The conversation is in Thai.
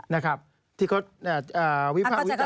นะครับที่เค้าวิพากษ์อีลาว